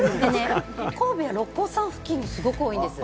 神戸の六甲山付近にすごく多いんです。